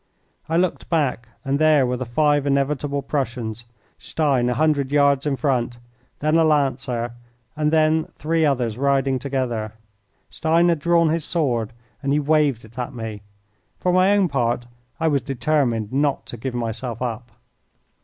I looked back, and there were the five inevitable Prussians Stein a hundred yards in front, then a Lancer, and then three others riding together. Stein had drawn his sword, and he waved it at me. For my own part I was determined not to give myself up.